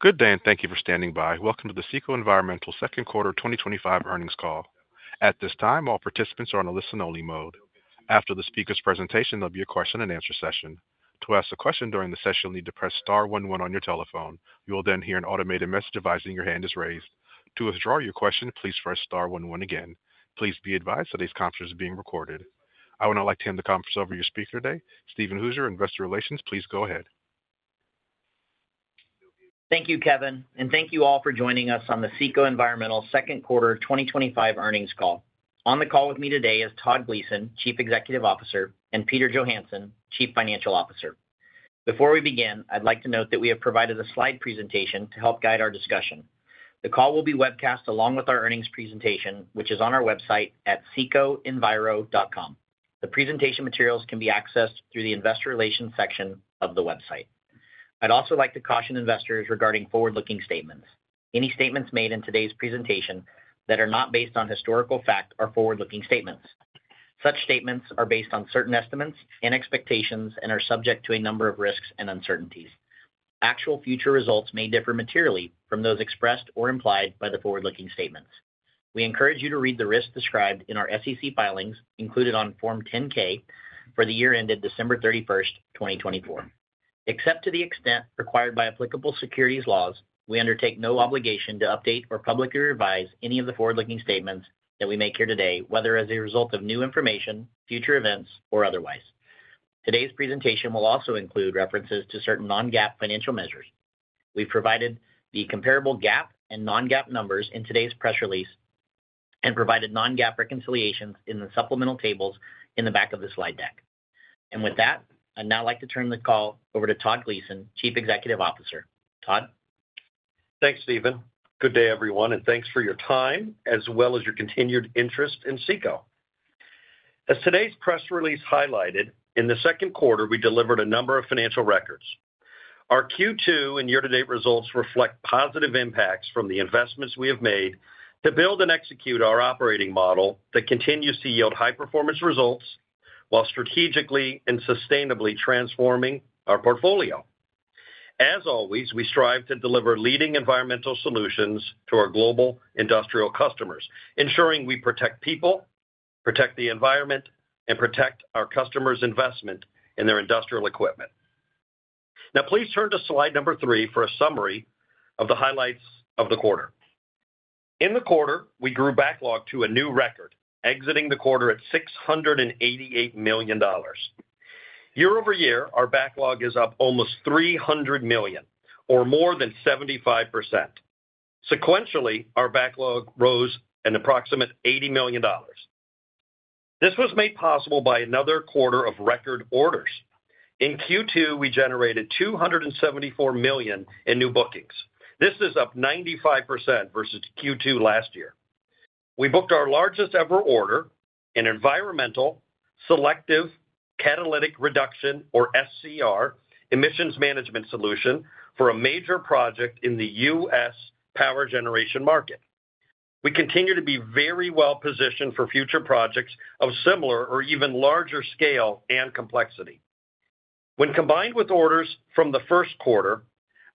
Good day and thank you for standing by. Welcome to the CECO Environmental second quarter 2025 earnings call. At this time, all participants are on a listen-only mode. After the speaker's presentation, there will be a question-and-answer session. To ask a question during the session, you'll need to press star one one on your telephone. You will then hear an automated message device indicating your hand is raised. To withdraw your question, please press star one one again. Please be advised that this conference is being recorded. I would now like to hand the conference over to your speaker today, Steven Hooser, Investor Relations. Please go ahead Thank you, Kevin, and thank you all for joining us on the CECO Environmental second quarter 2025 earnings call. On the call with me today is Todd Gleason, Chief Executive Officer, and Peter Johansson, Chief Financial Officer. Before we begin, I'd like to note that we have provided a slide presentation to help guide our discussion. The call will be webcast along with our earnings presentation, which is on our website at cecoenviro.com. The presentation materials can be accessed through the Investor Relations section of the website. I'd also like to caution investors regarding forward-looking statements. Any statements made in today's presentation that are not based on historical fact are forward-looking statements. Such statements are based on certain estimates and expectations and are subject to a number of risks and uncertainties. Actual future results may differ materially from those expressed or implied by the forward-looking statements. We encourage you to read the risks described in our SEC filings included on Form 10-K for the year ended December 31, 2024. Except to the extent required by applicable securities laws, we undertake no obligation to update or publicly revise any of the forward-looking statements that we make here today, whether as a result of new information, future events, or otherwise. Today's presentation will also include references to certain non-GAAP financial measures. We've provided the comparable GAAP and non-GAAP numbers in today's press release and provided non-GAAP reconciliations in the supplemental tables in the back of the slide deck. With that, I'd now like to turn the call over to Todd Gleason, Chief Executive Officer. Todd Thanks Steven. Good day everyone and thanks for your time as well as your continued interest in CECO Environmental. As today's press release highlighted, in the second quarter we delivered a number of financial records. Our Q2 and year to date results reflect positive impacts from the investments we have made to build and execute our operating model that continues to yield high performance results while strategically and sustainably transforming our portfolio. As always, we strive to deliver leading environmental solutions to our global industrial customers, ensuring we protect people, protect the environment, and protect our customers' investment in their industrial equipment. Now please turn to slide number three for a summary of the highlights of the quarter. In the quarter we grew backlog to a new record, exiting the quarter at $688 million. year-over-year our backlog is up almost $300 million or more than 75%. Sequentially, our backlog rose an approximate $80 million. This was made possible by another quarter of record orders. In Q2 we generated $274 million in new bookings. This is up 95% versus Q2 last year. We booked our largest ever order, an environmental Selective Catalytic Reduction (SCR) emissions management solution for a major project in the U.S. power generation market. We continue to be very well positioned for future projects of similar or even larger scale and complexity. When combined with orders from the first quarter,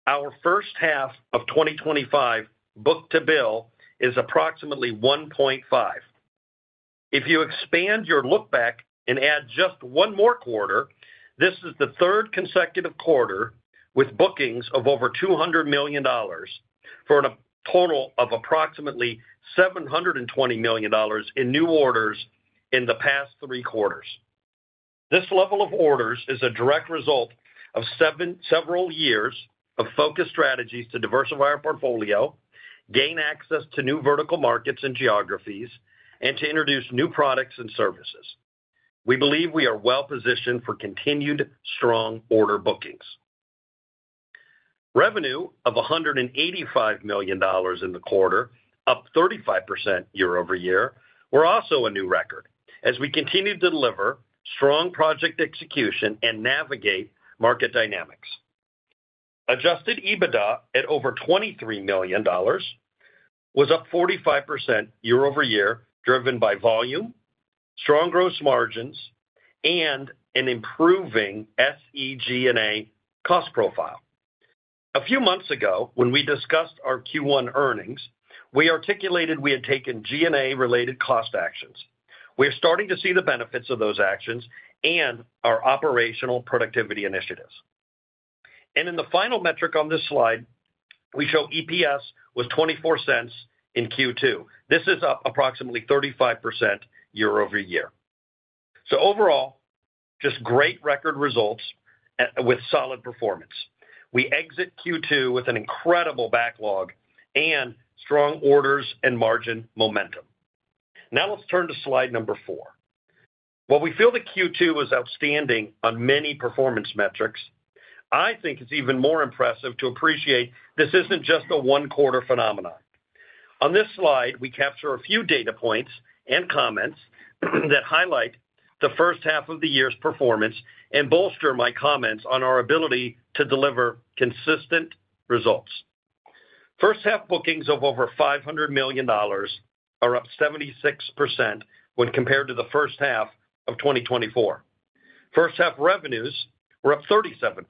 our first half of 2025 book to bill is approximately 1.5. If you expand your look back and add just one more quarter, this is the third consecutive quarter with bookings of over $200 million for a total of approximately $720 million in new orders in the past three quarters. This level of orders is a direct result of several years of focused strategies to diversify our portfolio, gain access to new vertical markets and geographies, and to introduce new products and services. We believe we are well positioned for continued strong order bookings. Revenue of $185 million in the quarter, up 35% year-over-year, were also a new record as we continued to deliver strong project execution and navigate market dynamics. Adjusted EBITDA at over $23 million was up 45% year-over-year, driven by volume, strong gross margins, and an improving SG&A cost profile. A few months ago when we discussed our Q1 earnings, we articulated we had taken G&A related cost actions. We are starting to see the benefits of those actions and our operational productivity initiatives. In the final metric on this slide, we show EPS was $0.24 in Q2. This is up approximately 35% year-over-year. Overall, just great record results with solid performance. We exit Q2 with an incredible backlog and strong orders and margin momentum. Now let's turn to slide number four. While we feel Q2 was outstanding on many performance metrics, I think it's even more impressive to appreciate this isn't just a quarter phenomenon. On this slide, we capture a few data points and comments that highlight the first half of the year's performance and bolster my comments on our ability to deliver consistent results. First half bookings of over $500 million are up 76% when compared to the first half of 2024. First half revenues were up 37%.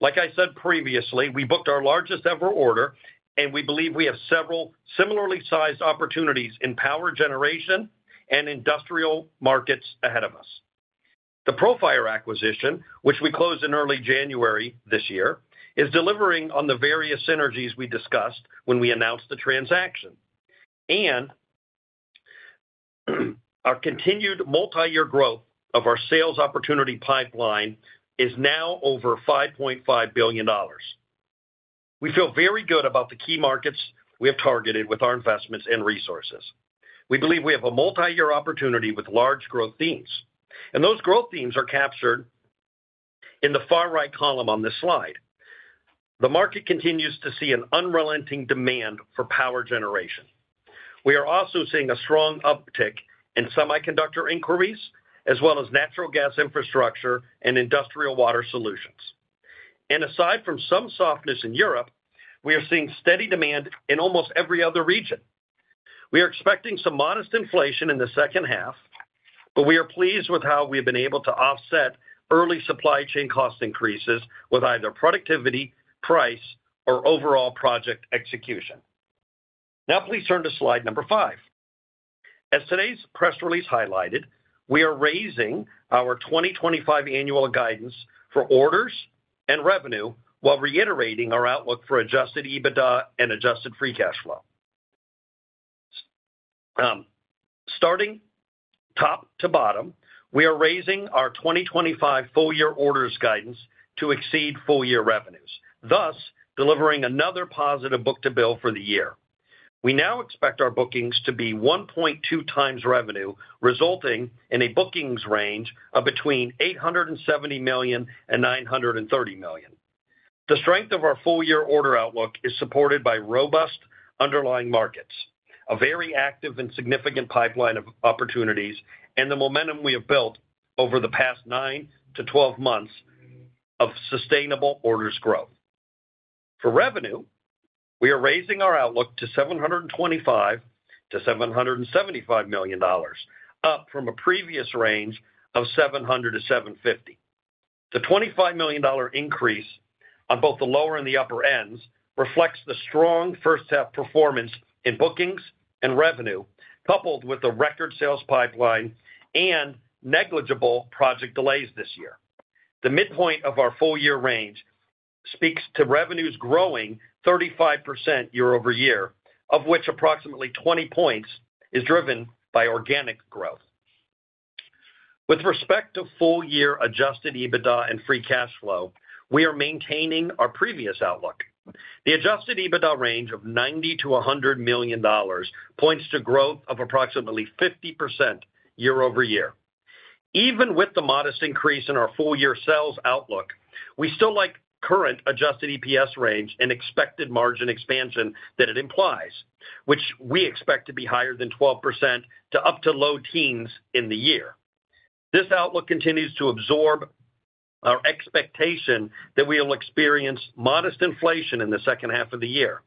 Like I said previously, we booked our largest ever order and we believe we have several similarly sized opportunities in power generation and industrial markets ahead of us. The Profire acquisition, which we closed in early January this year, is delivering on the various synergies we discussed when we announced the transaction and our continued multi-year growth of our sales opportunity pipeline is now over $5.5 billion. We feel very good about the key markets we have targeted with our investments and resources. We believe we have a multi-year opportunity with large growth themes and those growth themes are captured in the far right column on this slide. The market continues to see an unrelenting demand for power generation. We are also seeing a strong uptick in semiconductor inquiries as well as natural gas infrastructure and industrial water solutions. Aside from some softness in Europe, we are seeing steady demand in almost every other region. We are expecting some modest inflation in the second half, but we are pleased with how we have been able to offset early supply chain cost increases with either productivity, price, or overall project execution. Now please turn to slide number five. As today's press release highlighted, we are raising our 2025 annual guidance for orders and revenue while reiterating our outlook for adjusted EBITDA and adjusted free cash flow. Starting top to bottom, we are raising our 2025 full year orders guidance to exceed full year revenues, thus delivering another positive book to bill for the year. We now expect our bookings to be 1.2 times revenue, resulting in a bookings range of between $870 million and $930 million. The strength of our full year order outlook is supported by robust underlying markets, a very active and significant pipeline of opportunities, and the momentum we have built over the past nine to twelve months of sustainable orders growth. For revenue, we are raising our outlook to $725 million-$775 million, up from a previous range of $700 million-$750 million. The $25 million increase on both the lower and the upper ends reflects the strong first half performance in bookings and revenue, coupled with a record sales pipeline and negligible project delays this year. The midpoint of our full year range speaks to revenues growing 35% year-over-year, of which approximately 20 points is driven by organic growth. With respect to full year adjusted EBITDA and free cash flow, we are maintaining our previous outlook. The adjusted EBITDA range of $90 million-$100 million points to growth of approximately 50% year-over-year. Even with the modest increase in our full year sales outlook, we still like the current adjusted EPS range and expected margin expansion that it implies, which we expect to be higher than 12% to up to low teens in the year. This outlook continues to absorb our expectation that we will experience modest inflation in the second half of the year.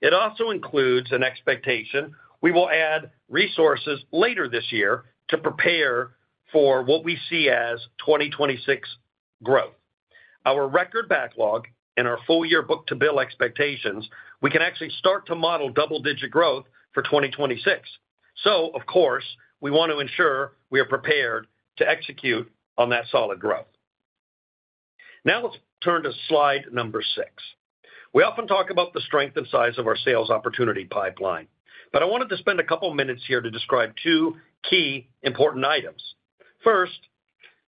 It also includes an expectation we will add resources later this year to prepare for what we see as 2026 growth, our record backlog, and our full year book to bill expectations. We can actually start to model double digit growth for 2026. Of course, we want to ensure we are prepared to execute on that solid growth. Now let's turn to slide number six. We often talk about the strength and size of our sales opportunity pipeline, but I wanted to spend a couple minutes here to describe two key important items. First,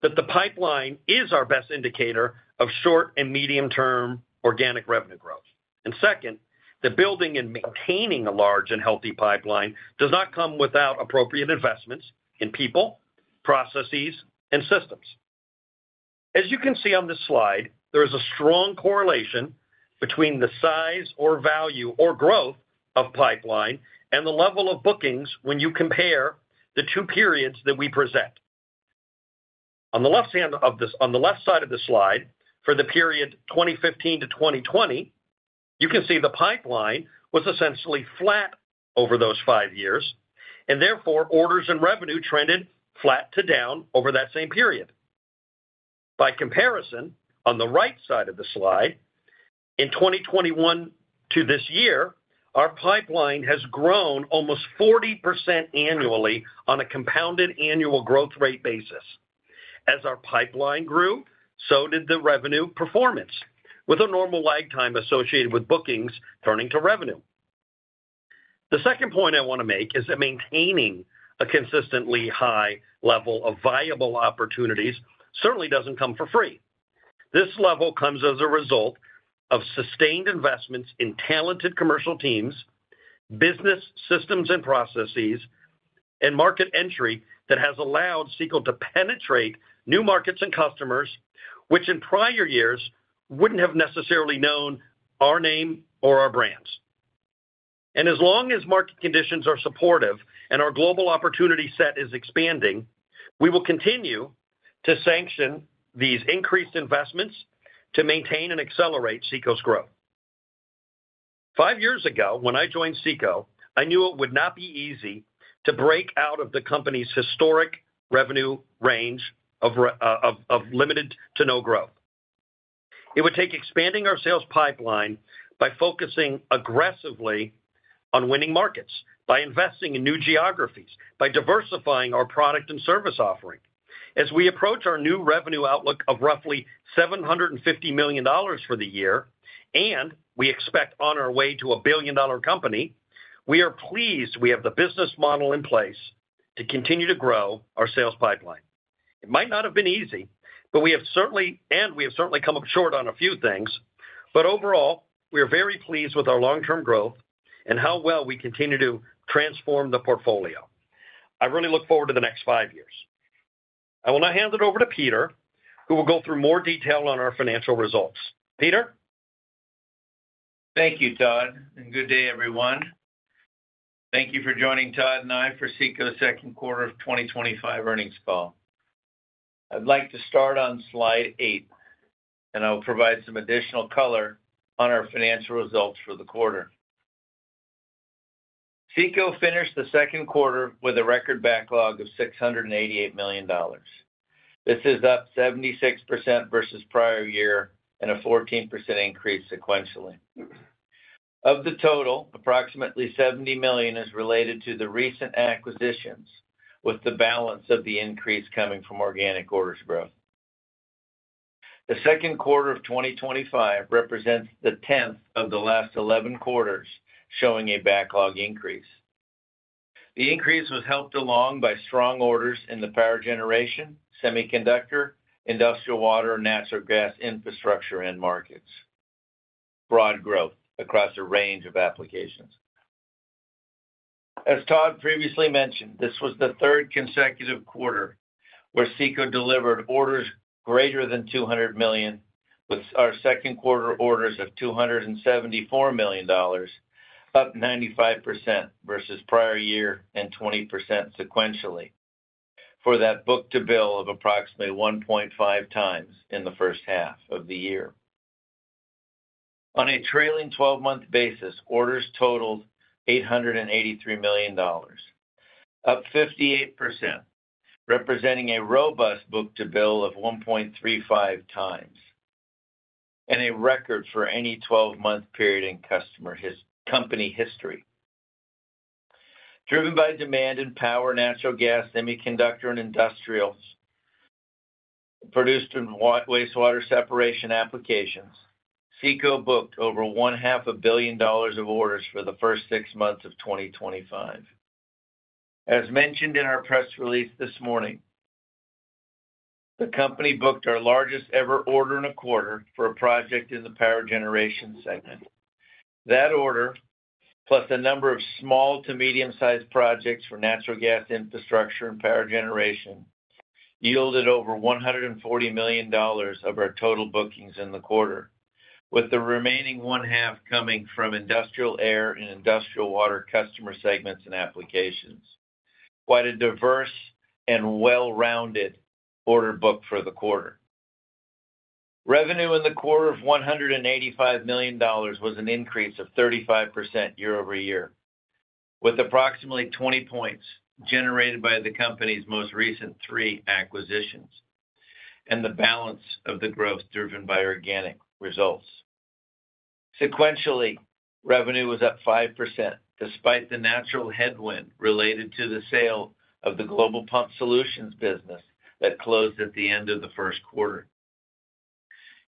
that the pipeline is our best indicator of short and medium term organic revenue growth, and second, that building and maintaining a large and healthy pipeline does not come without appropriate investments in people, processes, and systems. As you can see on this slide, there is a strong correlation between the size or value or growth of pipeline and the level of bookings. When you compare the two periods that we present on the left side of the slide for the period 2015 to 2020, you can see the pipeline was essentially flat over those five years and therefore orders and revenue trended flat to down over that same period. By comparison, on the right side of the slide in 2021 to this year our pipeline has grown almost 40% annually on a compounded annual growth rate basis. As our pipeline grew, so did the revenue performance with a normal lag time associated with bookings. Turning to revenue, the second point I want to make is that maintaining a consistently high level of viable opportunities certainly doesn't come for free. This level comes as a result of sustained investments in talented commercial teams, business systems and processes, and market entry that has allowed CECO to penetrate new markets and customers which in prior years wouldn't have necessarily known our name or our brands. As long as market conditions are supportive and our global opportunity set is expanding, we will continue to sanction these increased investments to maintain and accelerate CECO's growth. Five years ago when I joined CECO, I knew it would not be easy to break out of the company's historic revenue growth range of limited to no growth. It would take expanding our sales pipeline by focusing aggressively on winning markets by investing in new geographies, by diversifying our product and service offering as we approach our new revenue outlook of roughly $750 million for the year and we expect on our way to a billion dollar company. We are pleased we have the business model in place to continue to grow our sales pipeline. It might not have been easy, and we have certainly come up short on a few things, but overall we are very pleased with our long term growth and how well we continue to transform the portfolio. I really look forward to the next five years. I will now hand it over to Peter who will go through more detail on our financial results. Peter. Thank you, Todd, and good day, everyone. Thank you for joining Todd and I for CECO Environmental's second quarter of 2025 earnings call. I'd like to start on slide eight, and I'll provide some additional color on our financial results for the quarter. CECO finished the second quarter with a record backlog of $688 million. This is up 76% versus prior year and a 14% increase sequentially. Of the total, approximately $70 million is related to the recent acquisitions, with the balance of the increase coming from organic orders growth. The second quarter of 2025 represents the 10th of the last 11 quarters showing a backlog increase. The increase was helped along by strong orders in the power generation, semiconductor, industrial water, natural gas infrastructure end markets, and broad growth across a range of applications. As Todd previously mentioned, this was the third consecutive quarter where CECO delivered orders greater than $200 million, with our second quarter orders of $274 million up 95% versus prior year and 20% sequentially, for that book to bill of approximately 1.5 times. In the first half of the year, on a trailing 12-month basis, orders totaled $883 million, up 58%, representing a robust book to bill of 1.35 times and a record for any 12-month period in company history. Driven by demand in power, natural gas, semiconductor, and industrial produced and wastewater separation applications, CECO booked over half a billion dollars of orders for the first six months of 2025. As mentioned in our press release this morning, the company booked our largest ever order in a quarter for a project in the power generation segment. That order, plus a number of small to medium-sized projects for natural gas infrastructure and power generation, yielded over $140 million of our total bookings in the quarter, with the remaining half coming from industrial air and industrial water customer segments and applications. Quite a diverse and well-rounded order book for the quarter. Revenue in the quarter of $185 million was an increase of 35% year-over-year, with approximately 20 points generated by the company's most recent three acquisitions and the balance of the growth driven by organic results. Sequentially, revenue was up 5% despite the natural headwind related to the sale of the Global Pump Solutions business that closed at the end of the first quarter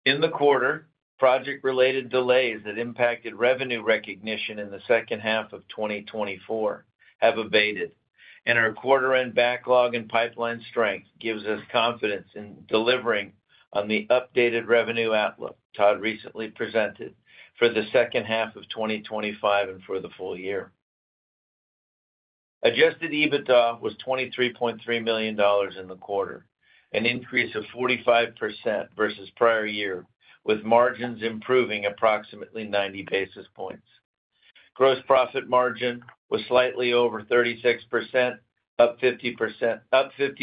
in the quarter. Project related delays that impacted revenue recognition in the second half of 2024 have abated, and our quarter end backlog and pipeline strength gives us confidence in delivering on the updated revenue outlook Todd recently presented. For the second half of 2025 and for the full year, adjusted EBITDA was $23.3 million in the quarter, an increase of 45% versus prior year with margins improving approximately 90 basis points. Gross profit margin was slightly over 36%, up 50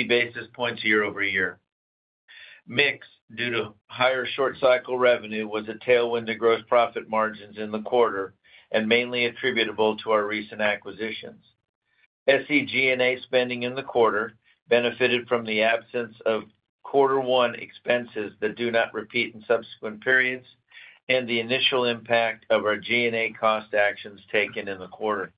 basis points year-over-year. Mix due to higher short cycle revenue was a tailwind to gross profit margins in the quarter and mainly attributable to our recent acquisitions. SG&A spending in the quarter benefited from the absence of quarter one expenses that do not repeat in subsequent periods and the initial impact of our G&A cost actions taken in the quarter.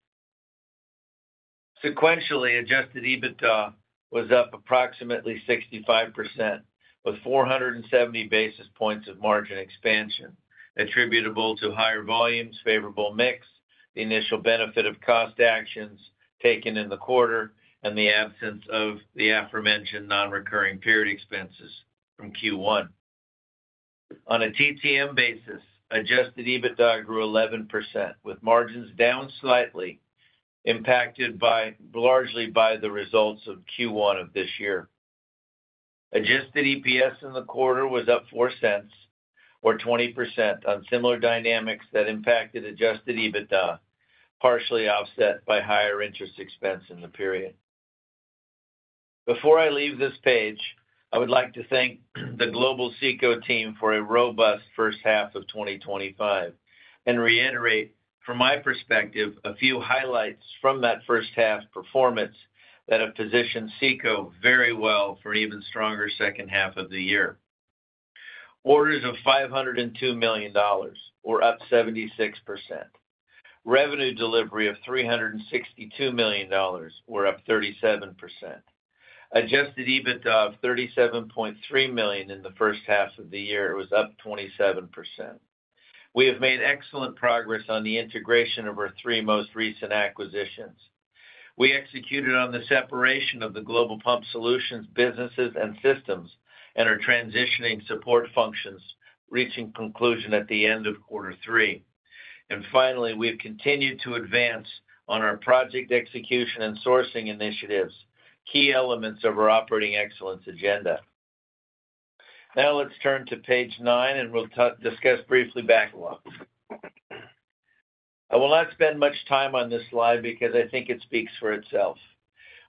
Sequentially, adjusted EBITDA was up approximately 65% with 470 basis points of margin expansion attributable to higher volumes, favorable mix, the initial benefit of cost actions taken in the quarter, and the absence of the aforementioned non-recurring period expenses from Q1. On a TTM basis, adjusted EBITDA grew 11% with margins down slightly, impacted largely by the results of Q1 of this year. Adjusted EPS in the quarter was up $0.04 or 20% on similar dynamics that impacted adjusted EBITDA, partially offset by higher interest expense in the period. Before I leave this page, I would like to thank the global CECO team for a robust first half of 2025 and reiterate from my perspective a few highlights from that first half performance that have positioned CECO very well for even stronger second half of the year. Orders of $502 million were up 76%. Revenue delivery of $362 million was up 37%. Adjusted EBITDA of $37.3 million in the first half of the year was up 27%. We have made excellent progress on the integration of our three most recent acquisitions. We executed on the separation of the Global Pump Solutions businesses and systems and are transitioning support functions, reaching conclusion at the end of quarter three. Finally, we have continued to advance on our project execution and sourcing initiatives, key elements of our operating excellence agenda. Now let's turn to page nine and we'll discuss briefly backlogs. I will not spend much time on this slide because I think it speaks for itself.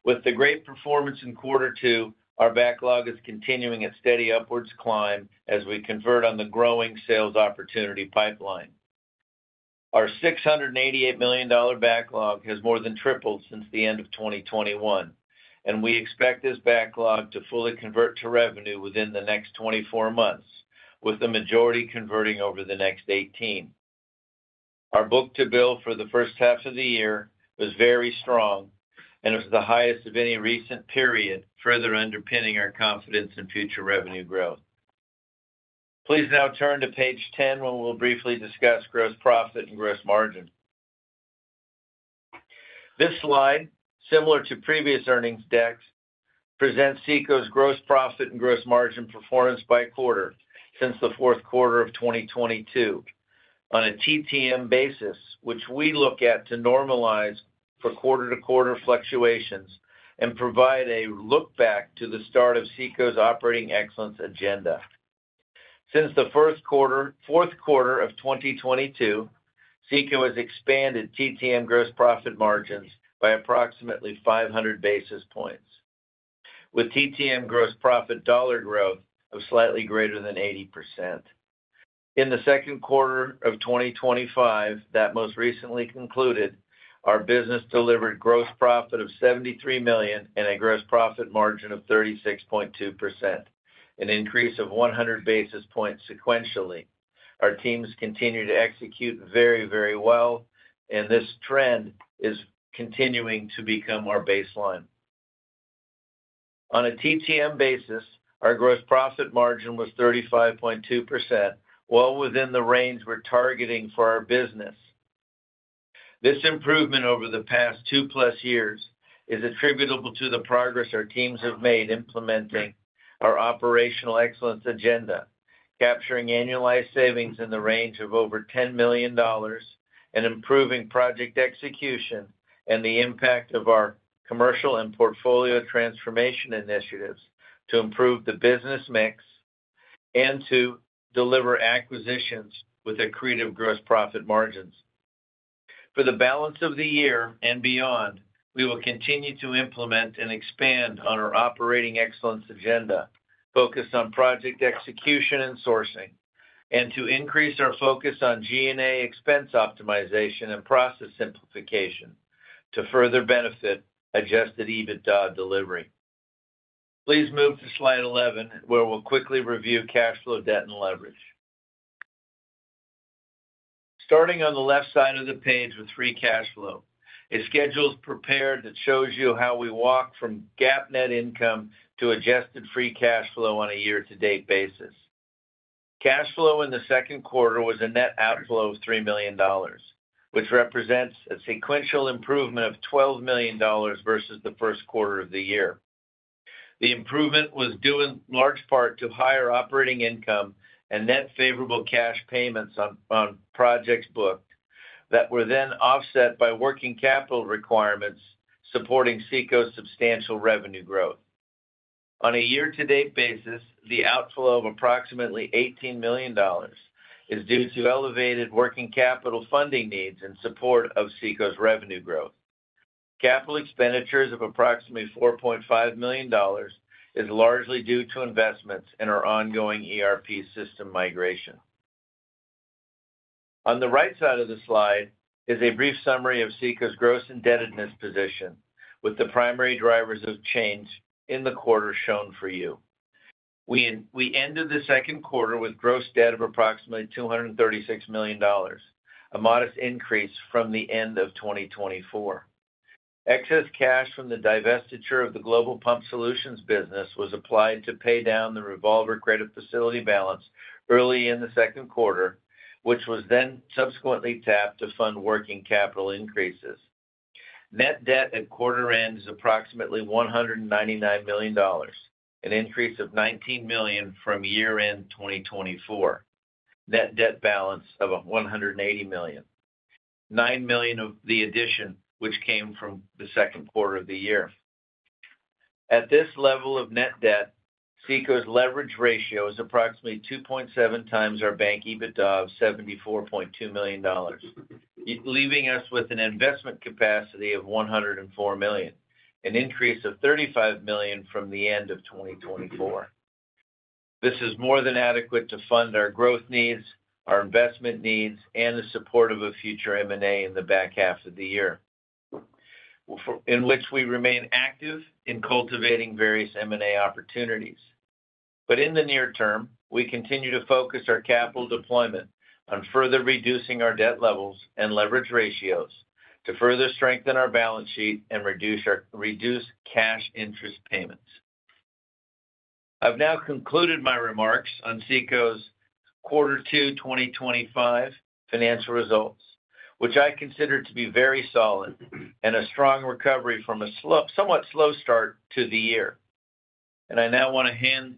With the great performance in quarter two, our backlog is continuing its steady upwards climb as we convert on the growing sales opportunity pipeline. Our $688 million backlog has more than tripled since the end of 2021 and we expect this backlog to fully convert to revenue within the next 24 months, with the majority converting over the next 18. Our book to bill for the first half of the year was very strong and it was the highest of any recent period, further underpinning our confidence in future revenue growth. Please now turn to page 10 where we'll briefly discuss Gross Profit and Gross Margin. This slide, similar to previous earnings decks, presents CECO Environmental's gross profit and gross margin performance by quarter since the fourth quarter of 2022 on a TTM basis, which we look at to normalize for quarter to quarter fluctuations and provide a look back to the start of CECO Environmental's operating excellence agenda. Since the fourth quarter of 2022, CECO Environmental has expanded TTM gross profit margins by approximately 500 basis points, with TTM gross profit dollar growth of slightly greater than 80%. In the second quarter of 2025 that most recently concluded, our business delivered gross profit of $73 million and a gross profit margin of 36.2%, an increase of 100 basis points sequentially. Our teams continue to execute very, very well and this trend is continuing to become our baseline. On a TTM basis, our gross profit margin was 35.2%, well within the range we're targeting for our business. This improvement over the past two plus years is attributable to the progress our teams have made implementing our Operational Excellence agenda, capturing annualized savings in the range of over $10 million and improving project execution and the impact of our commercial and portfolio transformation initiatives to improve the business mix and to deliver acquisitions with accretive gross profit margins for the balance of the year and beyond. We will continue to implement and expand on our Operating Excellence agenda focused on project execution and sourcing and to increase our focus on G&A expense optimization and process simplification to further benefit adjusted EBITDA delivery. Please move to slide 11 where we'll quickly review cash flow, debt and leverage. Starting on the left side of the page with free cash flow, a schedule is prepared that shows you how we walk from GAAP net income to adjusted free cash flow on a year to date basis. Cash flow in the second quarter was a net outflow of $3 million, which represents a sequential improvement of $12 million versus the first quarter of the year. The improvement was due in large part to higher operating income and net favorable cash payments on projects booked that were then offset by working capital requirements supporting CECO's substantial revenue growth. On a year-to-date basis, the outflow of approximately $18 million is due to elevated working capital funding needs in support of CECO's revenue growth. Capital expenditures of approximately $4.5 million is largely due to investments in our ongoing ERP system migration. On the right side of the slide is a brief summary of CECO's gross indebtedness position with the primary drivers of change in the quarter shown for you. We ended the second quarter with gross debt of approximately $236 million, a modest increase from the end of 2024. Excess cash from the divestiture of the Global Pump Solutions business was applied to pay down the Revolver Credit Facility balance early in the second quarter, which was then subsequently tapped to fund working capital increases. Net debt at quarter end is approximately $199 million, an increase of $19 million from year end 2024. Net debt balance of $180 million, $9 million of the addition which came from the second quarter of the year. At this level of net debt, CECO's leverage ratio is approximately 2.7 times our bank EBITDA of $74.2 million, leaving us with an investment capacity of $104 million, an increase of $35 million from the end of 2024. This is more than adequate to fund our growth needs, our investment needs, and the support of a future M&A in the back half of the year in which we remain active in cultivating various M&A opportunities. In the near term we continue to focus our capital deployment on further reducing our debt levels and leverage ratios to further strengthen our balance sheet and reduce cash interest payments. I've now concluded my remarks on CECO's second quarter 2025 financial results, which I consider to be very solid and a strong. Recovery from a somewhat slow start. The year, and I now want to hand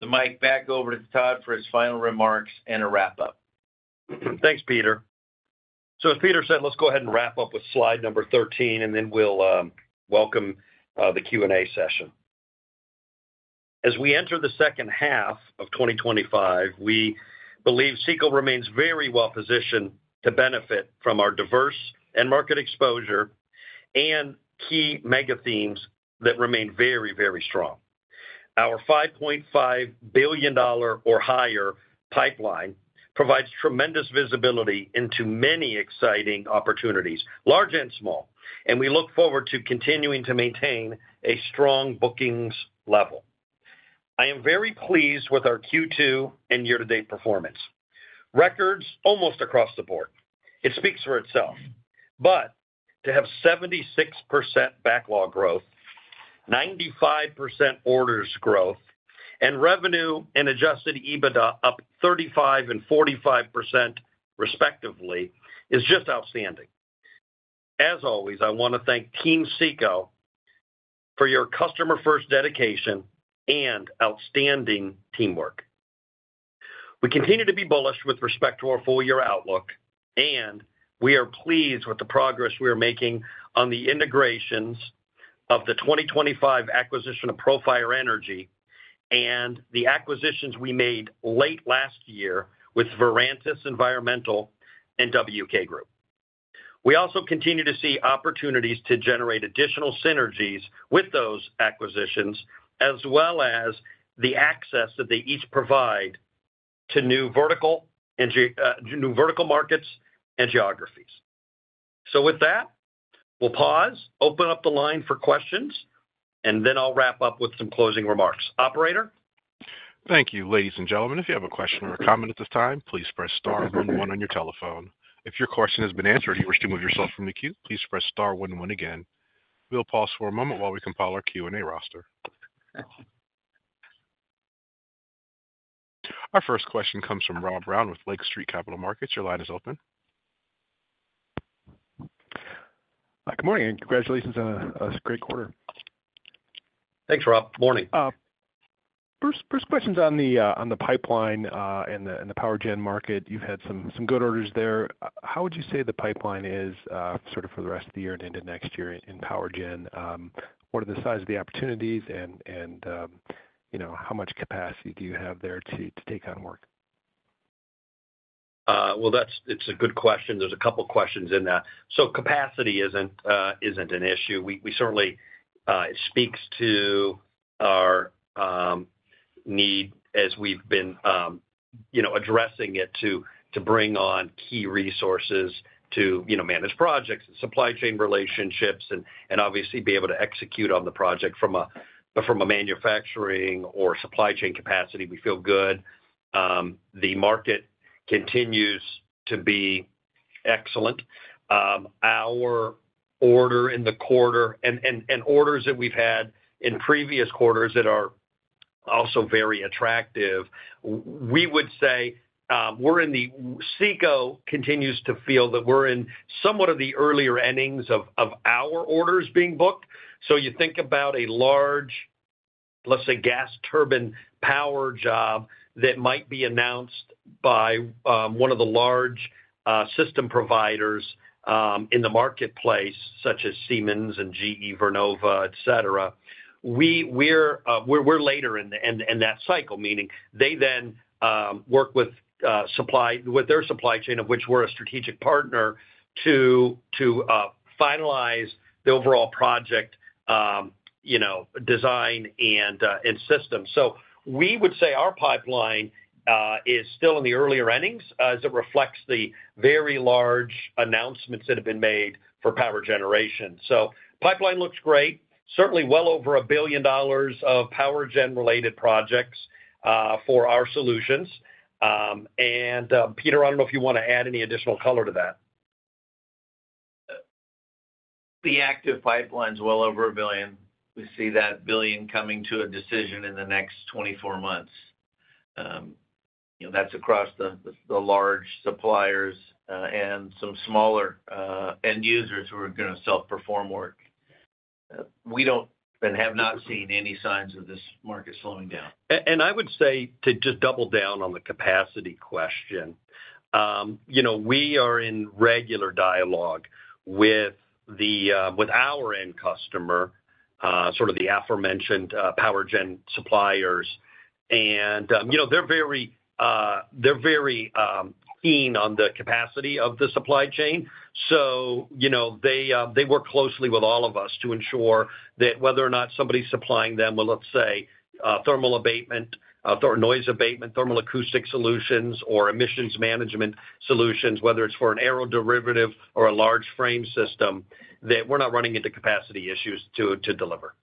the mic back over to Todd for his final remarks and a wrap up. Thanks, Peter. As Peter said, let's go ahead and wrap up with slide number 13 and then we'll welcome the Q&A session. As we enter the second half of 2025, we believe CECO Environmental remains very well positioned to benefit from our diverse end market exposure and key mega themes that remain very, very strong. Our $5.5 billion or higher pipeline provides tremendous visibility into many exciting opportunities, large and small, and we look forward to continuing to maintain a strong bookings level. I am very pleased with our Q2 and year-to-date performance records almost across the board. It speaks for itself, but to have 76% backlog growth, 95% orders growth, and revenue and adjusted EBITDA up 35% and 45%, respectively, is just outstanding. As always, I want to thank Team CECO for your customer-first dedication and outstanding teamwork. We continue to be bullish with respect to our full year outlook, and we are pleased with the progress we are making on the integrations of the 2025 acquisition of Profire Energy and the acquisitions we made late last year with Verantis Environmental and WK Group. We also continue to see opportunities to generate additional synergies with those acquisitions, as well as the access that they each provide to new vertical markets and geographies. With that, we'll pause, open up the line for questions, and then I'll wrap up with some closing remarks. Operator, thank you, ladies and gentlemen. If you have a question or a comment at this time, please press star one one on your telephone. If your question has been answered and you wish to remove yourself from the queue, please press star one one again. We'll pause for a moment while we compile our Q&A roster. Our first question comes from Rob Brown with Lake Street Capital Markets. Your line is open. Good morning and congratulations on a great quarter. Thanks, Rob. Morning. First question's on the pipeline and the power gen market. You've had some good orders there. How would you say the pipeline is? For the rest of the. Year and into next year in power generation? What are the size of the opportunities and how much capacity do you have there to take on work? It's a good question. There are a couple questions in that. Capacity isn't an issue. We certainly speak to our need, as we've been addressing it, to bring on key resources to manage projects, supply chain relationships, and obviously be able to execute on the project from a manufacturing or supply chain capacity. We feel good. The market continues to be excellent. Our order in the quarter and orders that we've had in previous quarters that are also very attractive. We would say CECO continues to feel that we're in somewhat of the earlier innings of our orders being booked. You think about a large, let's say gas turbine power job that might be announced by one of the large system providers in the marketplace, such as Siemens and GE Vernova, et cetera. We're later in that cycle, meaning they then work with their supply chain, of which we're a strategic partner, to finalize the overall project design and system. We would say our pipeline is still in the earlier innings as it reflects the very large announcements that have been made for power generation. The pipeline looks great. Certainly well over $1 billion of power gen related projects for our solutions. Peter, I don't know if you want to add any additional color to that. The active pipeline's well over $1 billion. We see that $1 billion coming to a decision in the next 24 months. That's across the large suppliers and some smaller end users who are going to self perform work. We don't and have not seen any signs of this market slowing down. I would say to just double down on the capacity question. We are in regular dialogue with our end customer, the aforementioned power generation suppliers, and they're very keen on the capacity of the supply chain. They work closely with all of us to ensure that whether or not somebody's supplying them with, let's say, thermal abatement, noise abatement, thermal acoustic solutions, or emissions management solutions, whether it's for an aero derivative or a large frame system, we're not running into capacity issues to deliver.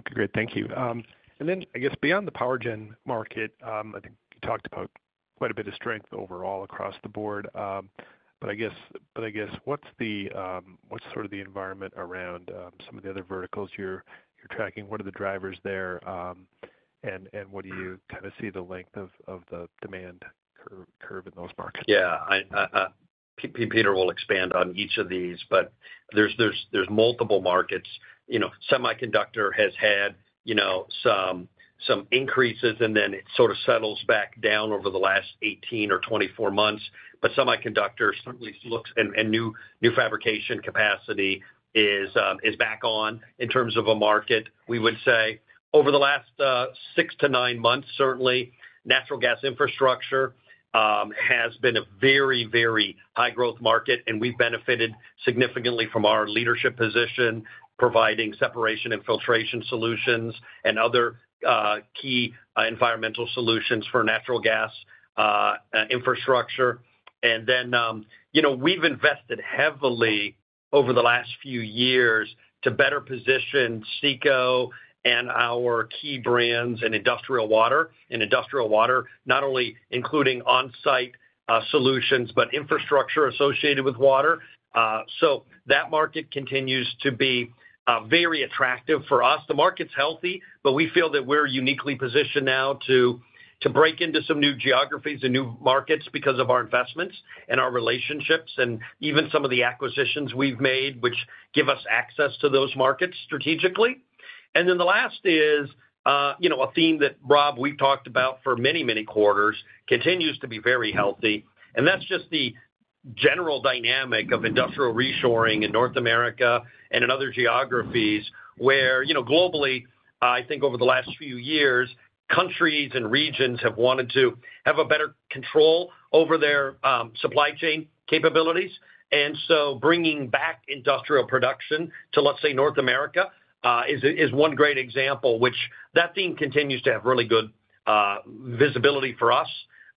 Okay, great, thank you. I guess beyond the power gen market, you talked about quite a bit of strength overall across the board. I guess what's sort of the environment around some of the other verticals you're experiencing, you're tracking, what are the drivers there, and what do you see the length of the demand curve in those markets? Yeah, Peter will expand on each of these, but there's multiple markets. Semiconductor has had some increases, and then it sort of settles back down over the last 18 or 24 months. Semiconductor looks and new fabrication capacity is back on in terms of a market we would say over the last six to nine months. Certainly, natural gas infrastructure has been a very, very high growth market, and we've benefited significantly from our leadership position providing separation and filtration solutions and other key environmental solutions for natural gas infrastructure. We've invested heavily over the last few years to better position CECO and our key brands in industrial water. Industrial water, not only including on-site solutions, but infrastructure associated with water. That market continues to be very attractive for us. The market's healthy, but we feel that we're uniquely positioned now to break into some new geographies and new markets because of our investments and our relationships and even some of the acquisitions we've made, which give us access to those markets strategically. The last is a theme that, Rob, we've talked about for many, many quarters, continues to be very healthy. That's just the general dynamic of industrial reshoring in North America and in other geographies where globally, I think over the last few years, countries and regions have wanted to have better control over their supply chain capabilities. Bringing back industrial production to, let's say, North America is one great example, which that theme continues to have really good visibility for us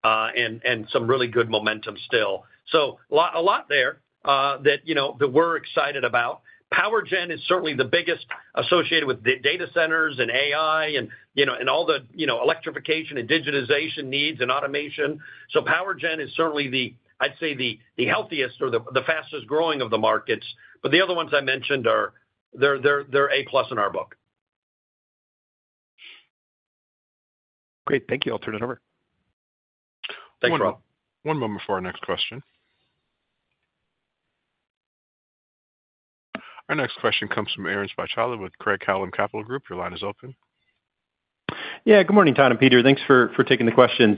and some really good momentum still. There's a lot there that we're excited about. Power Gen is certainly the biggest, associated with data centers and AI and all the electrification and digitization needs and automation. Power Gen is certainly, I'd say, the healthiest or the fastest growing of the markets. The other ones I mentioned are a plus in our book. Great, thank you. I'll turn it over. Thanks, Rob. One moment for our next question. Our next question comes from Aaron Spychalla with Craig-Hallum Capital Group. Your line is open. Yeah. Good morning, Todd and Peter. Thanks for taking the questions.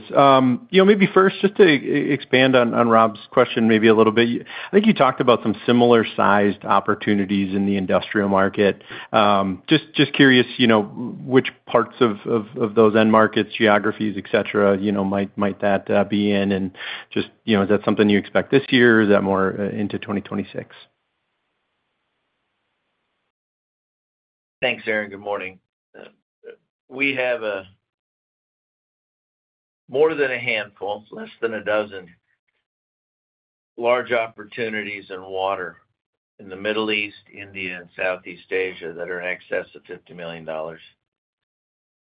Maybe first, just to expand on Rob's. Question maybe a little bit, I think you talked about some similar sized opportunities in the industrial market. Just curious, which parts of those end markets, geographies, et cetera, might that be in? Is that something you expect this year or is that more into 2026? Thanks, Aaron. Good morning. We have more than a handful, less than a dozen large opportunities in water in the Middle East, India, and Southeast Asia that are in excess of $50 million that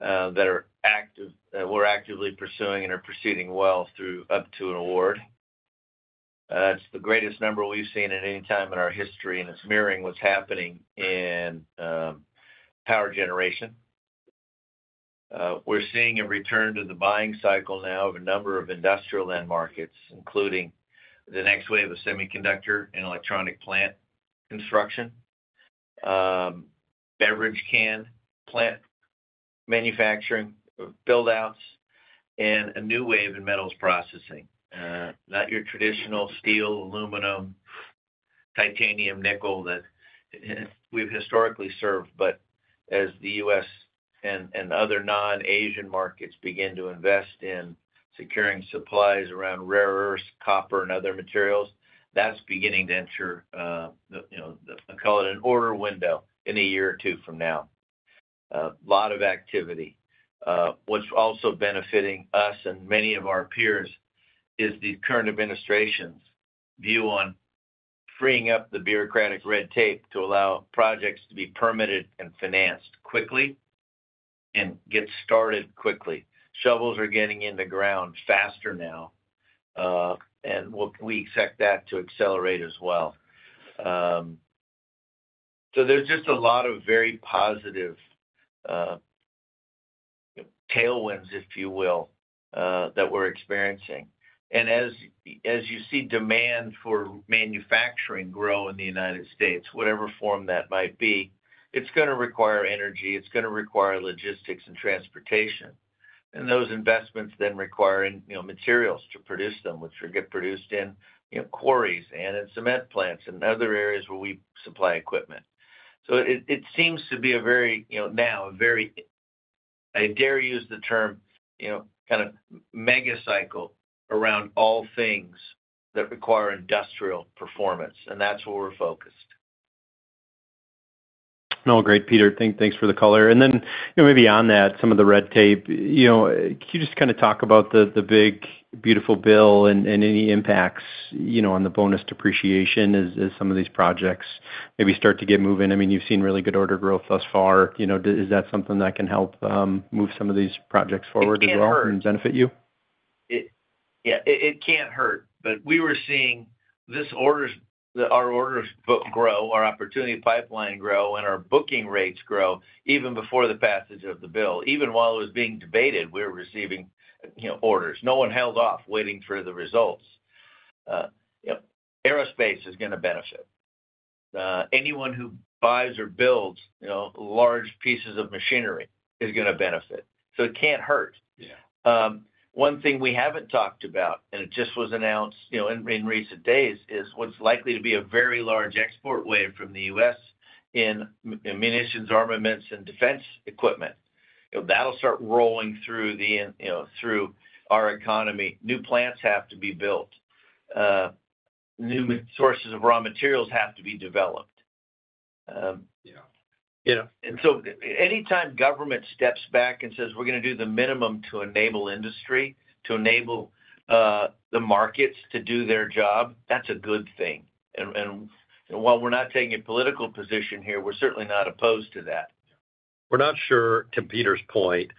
are active, that we're actively pursuing and are proceeding well through up to an award. It's the greatest number we've seen at any time in our history, and it's mirroring what's happening in power generation. We're seeing a return to the buying cycle now of a number of industrial end markets, including the next wave of semiconductor and electronic plant construction, beverage can plant manufacturing build outs, and a new wave in metals processing. Not your traditional steel, aluminum, titanium, nickel that we've historically served, but as the U.S. and other non-Asian markets begin to invest in securing supplies around rare earth, copper, and other materials, that's beginning to enter, call it an order window in a year or two from now, lot of activity. What's also benefiting us and many of our peers is the current administration's view on freeing up the bureaucratic red tape to allow projects to be permitted and financed quickly and get started quickly. Shovels are getting in the ground faster now, and we expect that to accelerate as well. There are just a lot of very positive tailwinds, if you will, that we're experiencing. As you see demand for manufacturing grow in the United States, whatever form that might be, it's going to require energy, it's going to require logistics and transportation, and those investments then require materials to produce them, which would get produced in quarries and in cement plants and other areas where we supply equipment. It seems to be a very now, very, I dare use the term, kind of mega cycle around all things that require industrial performance. That's where we're focused. No, great, Peter, thanks for the color. Maybe on that, some of the red tape, can you just kind of talk about the big beautiful bill and any impacts on the bonus depreciation as some of these projects maybe start to get moving? I mean, you've seen really good order growth thus far. Is that something that can help move some of these projects forward as well and benefit you? Yeah, it can't hurt. We were seeing this order, our orders grow, our opportunity pipeline grow, and our booking rates grow. Even before the passage of the bill, even while it was being debated, we're receiving orders. No one held off waiting for the results. Aerospace is going to benefit. Anyone who buys or builds large pieces of machinery is going to benefit. It can't hurt. One thing we haven't talked about, and it just was announced in recent days, is what's likely to be a very large export wave from the U.S. in ammunitions, armaments, and defense equipment that'll start rolling through our economy. New plants have to be built, new sources of raw materials have to be developed. Yeah. You know, anytime government steps back and says we're going to do the minimum to enable industry to enable the markets to do their job, that's a good thing. While we're not taking a political position here, we're certainly not opposed to that. We're not sure, to Peter's point,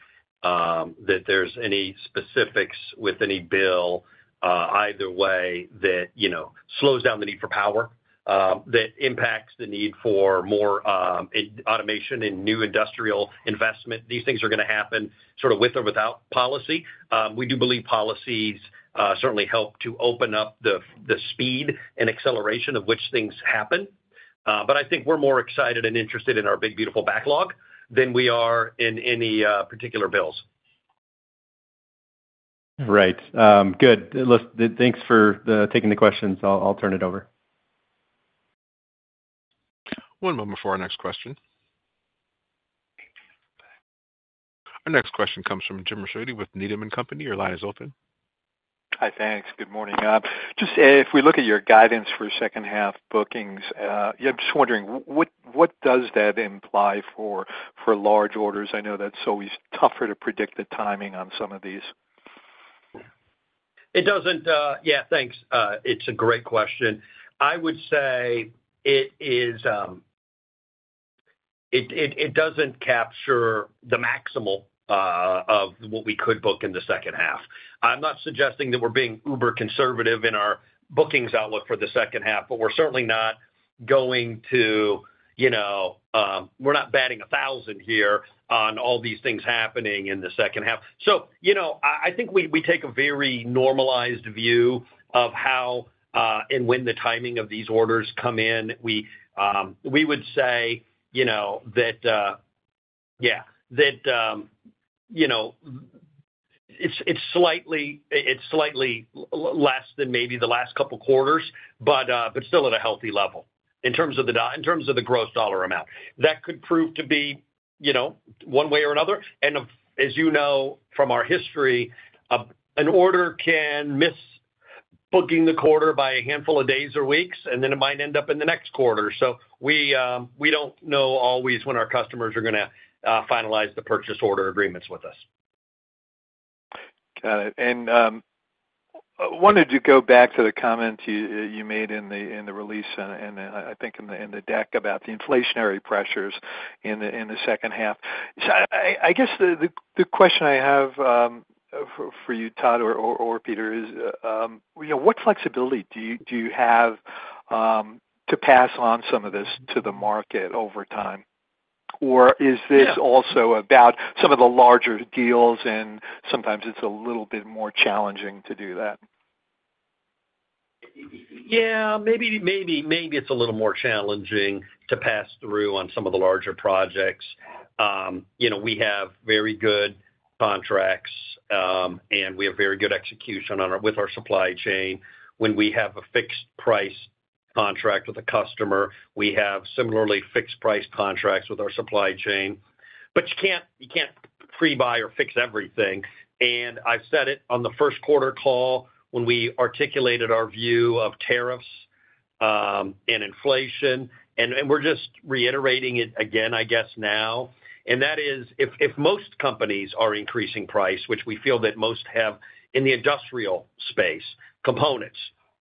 that there's any specifics with any bill either way that, you know, slows down the need for power that impacts the need for more automation and new industrial investment. These things are going to happen sort of with or without policy. We do believe policies certainly help to open up the speed and acceleration of which things happen. I think we're more excited and interested in our big beautiful backlog than we are in any particular bills. Right, good. Thanks for taking the questions. I'll turn it over. One moment for our next question. Our next question comes from Jim Ricchiuti with Needham & Company. Your line is open. Hi. Thanks. Good morning. Just if we look at your guidance for second half bookings, I'm just wondering what does that imply for large orders? I know that's always tougher to predict the timing on some of these. Yeah, thanks. It's a great question. I would say it doesn't capture the maximal of what we could book in the second half. I'm not suggesting that we're being uber conservative in our bookings outlook for the second half, but we're certainly not going to, you know, we're not batting a thousand here on all these things happening in the second half. I think we take a very normalized view of how and when the timing of these orders come in. We would say that, yeah, it's slightly less than maybe the last couple quarters but still at a healthy level in terms of the gross dollar amount that could prove to be, you know, one way or another. As you know from our history, an order can miss booking the quarter by a handful of days or weeks and then it might end up in the next quarter. We don't know always when our customers are going to finalize the purchase order agreements with us. Got it. I wanted to go back to the comment you made in the release and I think in the deck about the inflationary pressures in the second half. I guess the question I have for you, Todd or Peter, is what flexibility do you have to pass on some of this to the market over time, or is this also about some of the larger deals and sometimes it's a little bit more challenging to do that. Yeah, maybe it's a little more challenging to pass through on some of the larger projects. We have very good contracts and we have very good execution with our supply chain. When we have a fixed price contract with a customer, we have similarly fixed price contracts with our supply chain. You can't pre buy or fix everything. I said it on the first quarter call when we articulated our view of tariffs and inflation, and we're just reiterating it again, I guess now. That is, if most companies are increasing price, which we feel that most have in the industrial space—components,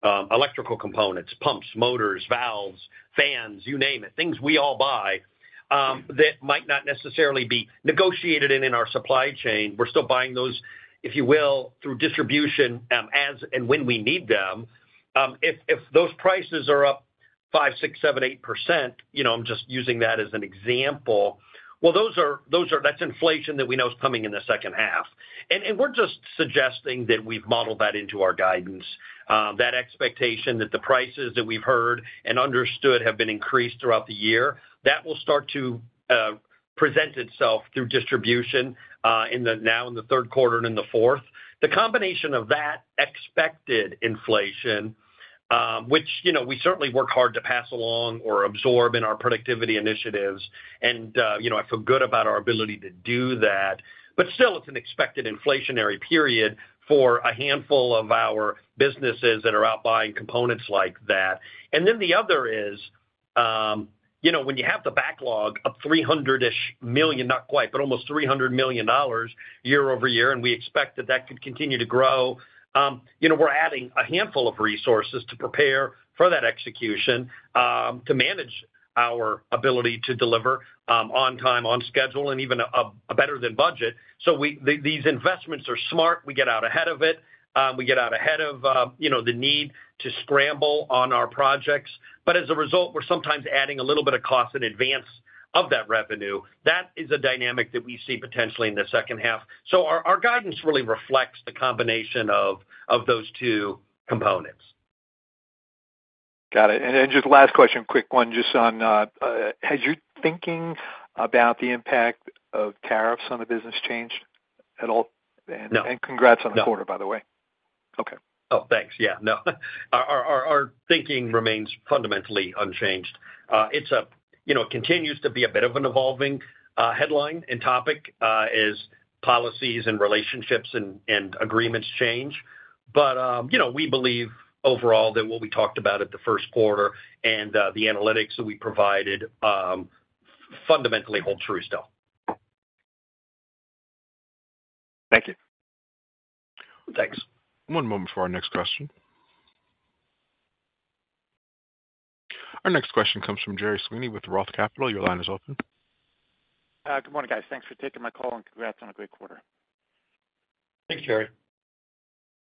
electrical components, pumps, motors, valves, fans, you name it—things we all buy that might not necessarily be negotiated in our supply chain. We're still buying those, if you will, through distribution as and when we need them. If those prices are up 5%, 6%, 7%, 8%, I'm just using that as an example. Those are, that's inflation that we know is coming in the second half. We're just suggesting that we've modeled that into our guidance. That expectation that the prices that we've heard and understood have been increased throughout the year, that will start to present itself through distribution now in the third quarter and in the fourth. The combination of that expected inflation, which we certainly work hard to pass along or absorb in our productivity initiatives, and I feel good about our ability to do that, but still, it's an expected inflationary period for a handful of our businesses that are out buying components like that. The other is when you have the backlog of $300 million-ish, not quite, but almost $300 million year-over-year. We expect that could continue to grow. We're adding a handful of resources to prepare for that execution, to manage our ability to deliver on time, on schedule, and even better than budget. These investments are smart. We get out ahead of it. We get out ahead of the need to scramble on our projects. As a result, we're sometimes adding a little bit of cost in advance of that revenue. That is a dynamic that we see potentially in the second half. Our guidance really reflects the combination. Of those two components. Got it. Just last question, quick one just on has you thinking about the impact of tariffs on the business change at all. Congrats on the quarter, by the way. Okay. Oh, thanks. Yeah, no, our tariff thinking remains fundamentally unchanged. It continues to be a bit of an evolving headline and topic as policies and relationships and agreements change. You know, we believe overall that what we talked about at the first quarter and the analytics that we provided fundamentally hold true still. Thank you. Thanks. One moment for our next question. Our next question comes from Gerry Sweeney with Roth Capital. Your line is open. Good morning, guys. Thanks for taking my call, and congrats on a great quarter. Thanks, Gerry.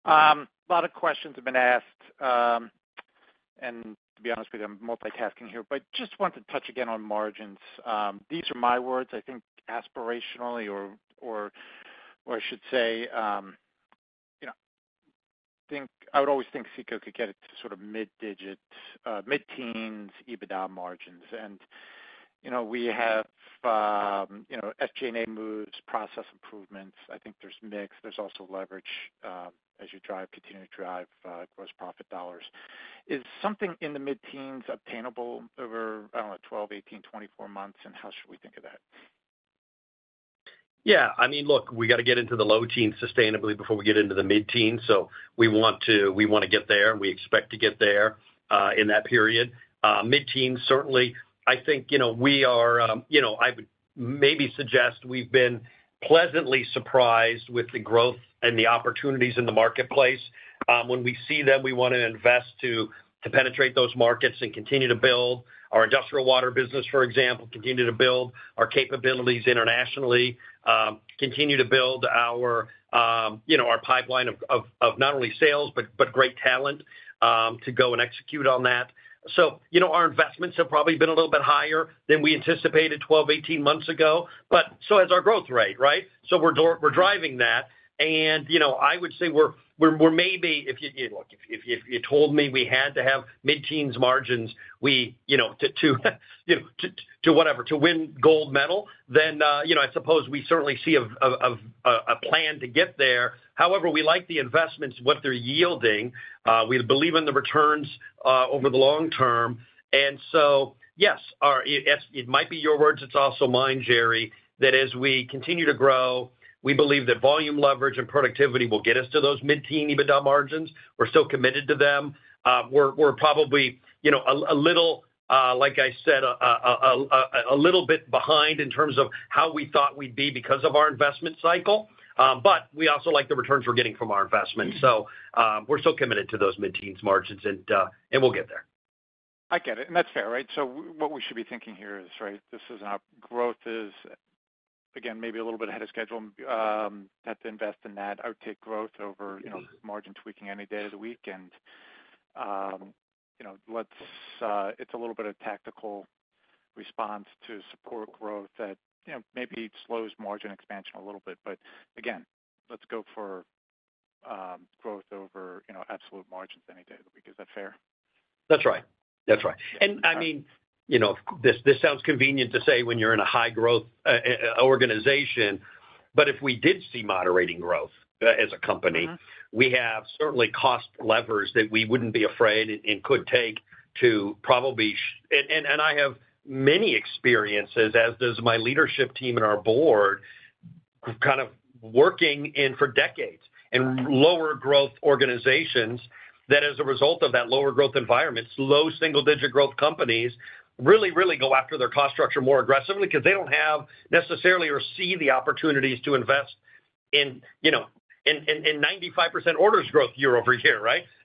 A lot of questions have been asked. To be honest with you, I'm multitasking here, but just want to touch again on margins. These are my words. I think aspirationally, or I should say I would always think CECO could get it to sort of mid-digit mid-teens EBITDA margins, and we have SG&A moves, process improvements. I think there's mix, there's also leverage as you continue to drive gross profit dollars. Is something in the mid-teens obtainable over 12, 18, 24 months, and how should we think of that? Yeah, I mean look, we got to get into the low teens sustainably before we get into the mid teens. We want to get there and we expect to get there in that period. Mid teens certainly, I think, you know, we are, you know, I maybe suggest we've been pleasantly surprised with the growth and the opportunities in the marketplace when we see them. We want to invest to penetrate those markets and continue to build our industrial water business, for example, continue to build our capabilities internationally, continue to build our pipeline of not only sales but great talent to go and execute on that. Our investments have probably been a little bit higher than we anticipated 12, 18 months ago, but so has our growth rate. Right. We're driving that. I would say we're more maybe if you look, if you told me we had to have mid teens margins, we, you know, to whatever to win gold medal, then I suppose we certainly see a plan to get there. However, we like the investments, what they're yielding, we believe in the returns over the long term. Yes, it might be your words, it's also mine, Gerry, that as we continue to grow, we believe that volume, leverage and productivity will get us to those mid teen EBITDA margins. We're still committed to them. We're probably a little, like I said, a little bit behind in terms of how we thought we'd be because of our investment cycle. We also like the returns we're getting from our investment. We're still committed to those mid teens margins and we'll get there. I get it. That's fair. Right. What we should be thinking here is, right, this is our growth is again, maybe a little bit ahead of schedule. Have to invest in that outtake growth over margin tweaking any day of the week. It's a little bit. Of tactical response to support growth that maybe slows margin expansion a little bit. Again, let's go for growth over absolute margins any day of the week. Is that fair? That's right. That's right. This sounds convenient to say when you're in a high growth organization. If we did see moderating growth as a company, we have certainly cost levers that we wouldn't be afraid and could take to probably. I have many experiences, as does my leadership team and our board, kind of working for decades in lower growth organizations. As a result of that, lower growth environments, low single digit growth companies really, really go after their cost structure more aggressively because they don't have necessarily or see the opportunities to invest in, you know, in 95% orders growth year-over-year.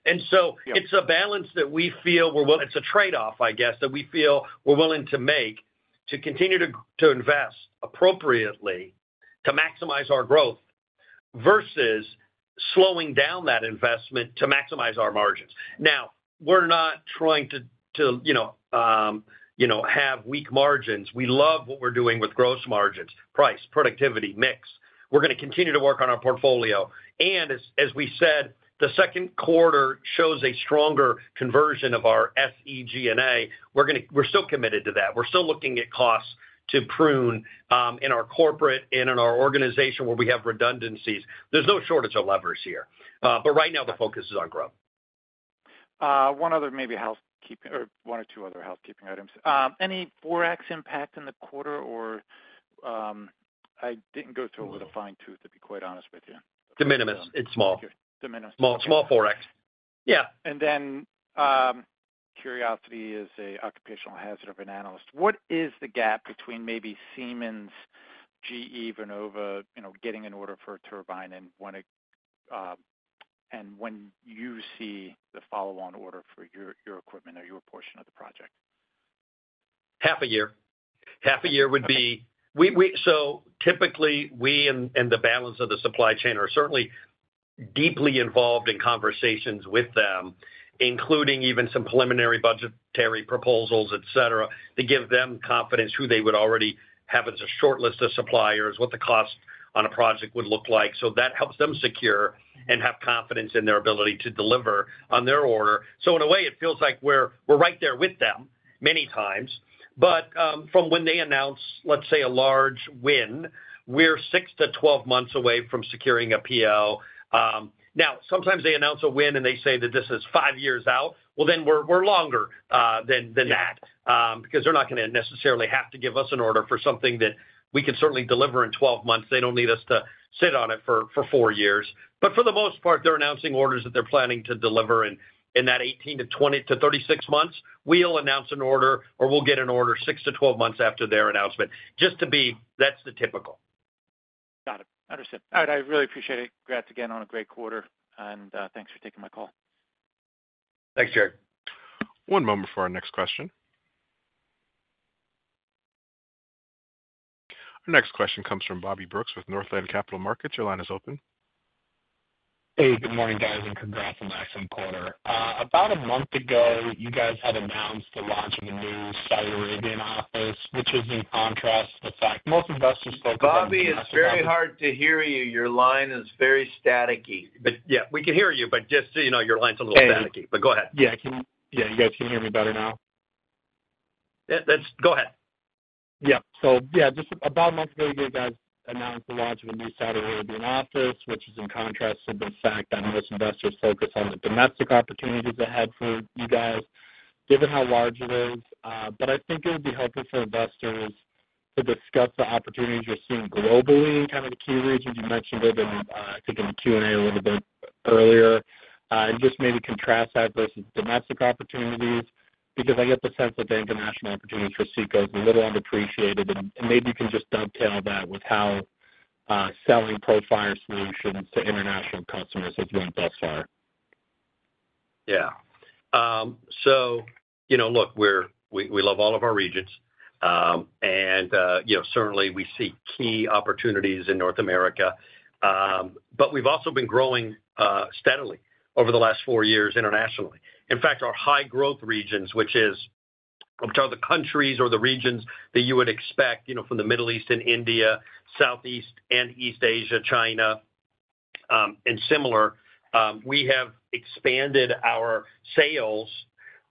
It's a balance that we feel we're willing to make to continue to invest appropriately to maximize our growth versus slowing down that investment to maximize our margins. We're not trying to have weak margins. We love what we're doing with gross margins, price, productivity, mix. We're going to continue to work on our portfolio, and as we said, the second quarter shows a stronger conversion of our SG&A. We're still committed to that. We're still looking at costs to prune in our corporate and in our organization where we have redundancies. There's no shortage of levers here. Right now the focus is on growth. One or two other housekeeping items. Any forex impact in the quarter? I didn't go through it with a fine-tooth, to be quite honest with you. The minimum, it's small. Small forex. Curiosity is an occupational hazard of an analyst. What is the gap between maybe Siemens, GE Vernova, you know, getting an order for a turbine and when it's, and when you see the follow-on order for your equipment or your portion of the project? Half a year. Half a year would be. Typically, we and the balance of the supply chain are certainly deeply involved in conversations with them, including even some preliminary budgetary proposals, et cetera, to give them confidence. They would already have a short list of suppliers and know what the cost on a project would look like. That helps them secure and have confidence in their ability to deliver on their order. In a way, it feels like we're right there with them many times. From when they announce, let's say, a large win, we're six to 12 months away from securing a PO. Sometimes they announce a win and say that this is five years out. We're longer than that because they're not going to necessarily have to give us an order for something that we can certainly deliver in 12 months. They don't need us to sit on it for four years. For the most part, they're announcing orders that they're planning to deliver. In that 18 to 20 to 36 months, we'll announce an order or we'll get an order six to 12 months after their announcement. That's the typical. Got it. Understood. All right. I really appreciate it. Congrats again on a great quarter, and thanks for taking my call. Thanks, Gerry. One moment for our next question. Our next question comes from Bobby Brooks with Northland Capital Markets. Your line is open. Hey, good morning, guys, and congrats on Maxim Porter. About a month ago, you guys had announced the launch of a new seller, Radiant Office, which is in contrast, it's like most investors don't. Bobby, it's very hard to hear you. Your line is very staticky. Yeah, we can hear you. Just so you know, your line's a little staticky, but go ahead. Yeah, you guys can hear me better now. Let's go ahead. Yeah, just about a month ago, you guys announced the launch of a new Saudi Arabia office, which is in contrast to the fact that investors focus on the domestic opportunities ahead for you guys, given how large it is. I think it would be helpful for investors to discuss the opportunities you're seeing globally, kind of the key regions. You mentioned it in the Q&A a little bit earlier and maybe contrast that versus domestic opportunities because I get the sense that the international opportunity for CECO Environmental is a little underappreciated. Maybe you can just dovetail that with how selling Profire Energy solutions to international customers has went thus far. Yeah. You know, look, we love all of our regions and certainly we see key opportunities in North America, but we've also been growing steadily over the last four years internationally. In fact, our high growth regions, which are the countries or the regions that you would expect from the Middle East and India, Southeast and East Asia, China and similar, we have expanded our sales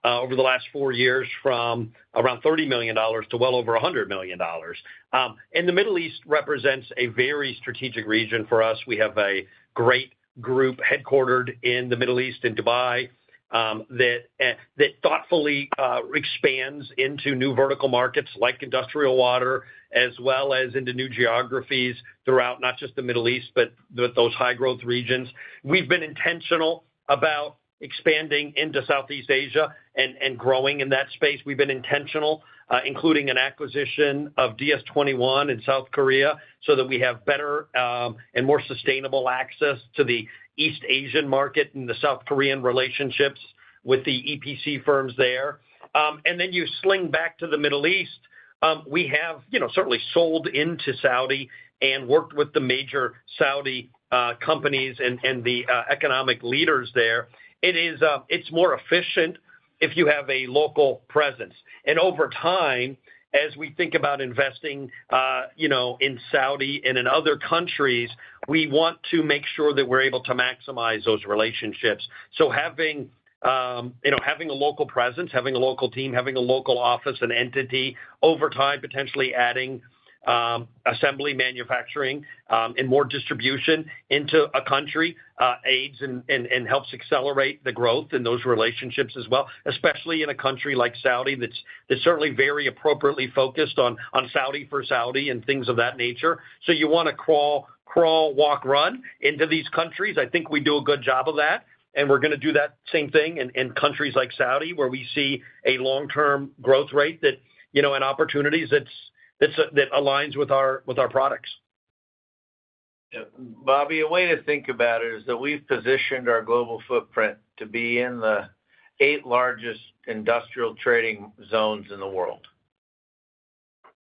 over the last four years from around $30 million to well over $100 million. The Middle East represents a very strategic region for us. We have a great group headquartered in the Middle East in Dubai that thoughtfully expands into new vertical markets like industrial water as well as into new geographies throughout not just the Middle East, but those high growth regions. We've been intentional about expanding into Southeast Asia and growing in that space. We've been intentional including an acquisition of DS21 in South Korea so that we have better and more sustainable access to the East Asian market and the South Korean relationships with the EPC firms there. You sling back to the Middle East. We have certainly sold into Saudi and worked with the major Saudi companies and the economic leaders there. It's more efficient if you have a local presence. Over time, as we think about investing in Saudi and in other countries, we want to make sure that we're able to maximize those relationships. Having a local presence, having a local team, having a local office, an entity, over time, potentially adding assembly, manufacturing and more distribution into a country aids and helps accelerate the growth in those relationships as well. Especially in a country like Saudi that's certainly very appropriately focused on Saudi for Saudi and things of that nature. You want to crawl, walk, run into these countries. I think we do a good job of that. We're going to do that same thing in countries like Saudi where we see a long term growth rate and opportunities that align with our products. Bobby, a way to think about it. Is that we've positioned our global footprint to be in the eight largest industrial trading zones in the world.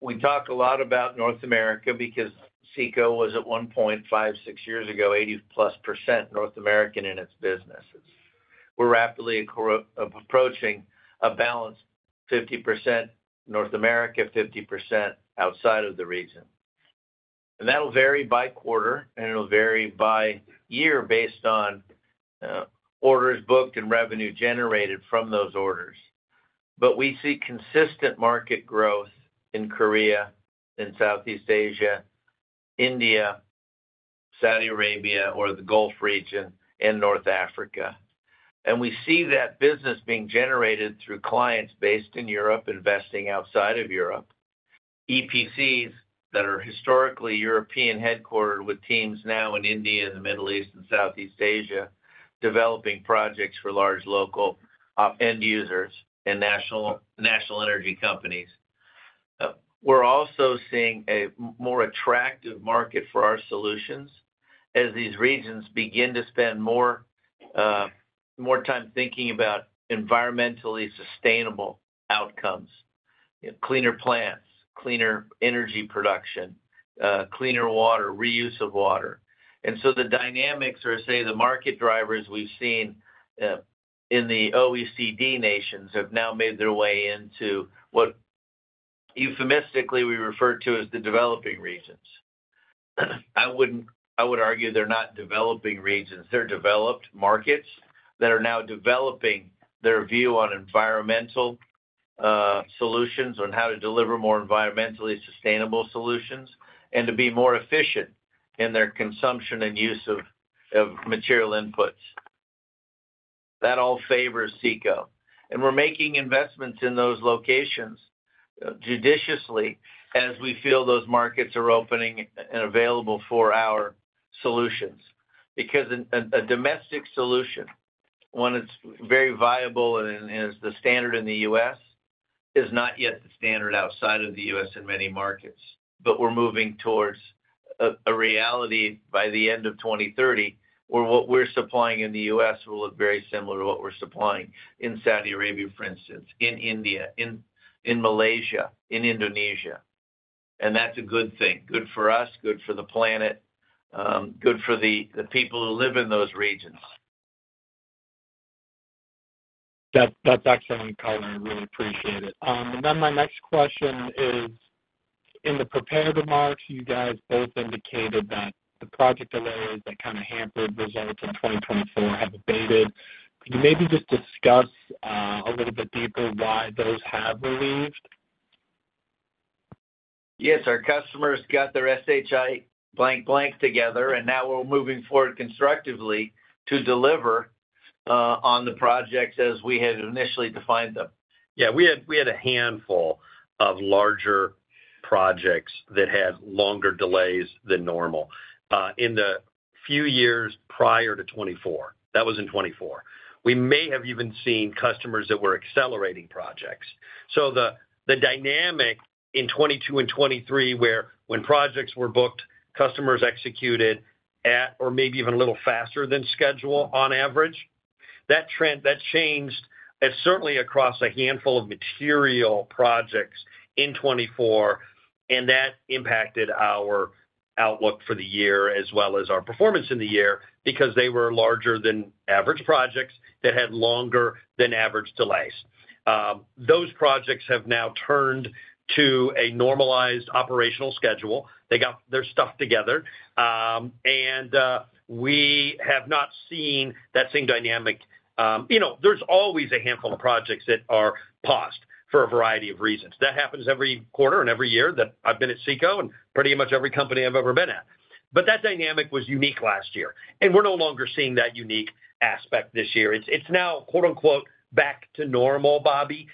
We talk a lot about North America because CECO was at $1.5 million, six years ago, 80%+ North American in its business. We're rapidly approaching a balance, 50% North America, 50% outside of the region. That'll vary by quarter and it'll vary by year based on orders booked and revenue generated from those orders. We see consistent market growth in Korea, in Southeast Asia, India, Saudi Arabia or the Gulf region, and North Africa. We see that business being generated through clients based in Europe, investing outside of Europe, EPCs that are historically European headquartered with teams now in India, the Middle East, and Southeast Asia, developing projects for large local end users and national energy companies. We're also seeing a more attractive market for our solutions as these regions begin to spend more time thinking about environmentally sustainable outcomes: cleaner plants, cleaner energy production, cleaner water, reuse of water. The dynamics are, say, the market drivers we've seen in the OECD nations have now made their way into what euphemistically we refer to as the developing regions. I would argue they're not developing regions. They're developed markets that are now developing their view on environmental solutions, on how to deliver more environmentally sustainable solutions, and to be more efficient in their consumption and use of material inputs. That all favors CECO. We're making investments in those locations judiciously as we feel those markets are opening and available for our solutions. A domestic solution, one that's very viable and is the standard in the U.S., is not yet the standard outside of the U.S. in many markets. We're moving towards a reality by the end of 2030 where what we're supplying in the U.S. will look very similar to what we're supplying in Saudi Arabia, for instance, in India, in Malaysia, in Indonesia. That's a good thing. Good for us, good for the planet, good for the people who live in those regions. Dr. Simon called me. I really appreciate it. My next question is, in the prepared remarks, you guys both indicated that the project delays that kind of hampered results in 2024 have abated. Can you maybe just discuss a little bit, people, why those have eased? Yes, our customers got their shit together and now we're moving forward constructively to deliver on the projects as we had initially defined them. Yeah, we had a handful of larger projects that had longer delays than normal in the few years prior to 2024. That was in 2024. We may have even seen customers that were accelerating projects. The dynamic in 2022 and 2023, where when projects were booked, customers executed at or maybe even a little faster than schedule on average, changed certainly across a handful of material projects in 2024. That impacted our outlook for the year as well as our performance in the year because they were larger than average projects that had longer than average delays. Those projects have now turned to a normalized operational schedule. They got their stuff together. We have not seen that same dynamic. There is always a handful of projects that are paused for a variety of reasons. That happens every quarter and every year that I've been at CECO Environmental and pretty much every company I've ever been at. That dynamic was unique last year and we're no longer seeing that unique aspect this year. It's now, quote, unquote, back to normal, Bobby.